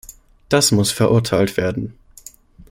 Das muss verurteilt werden.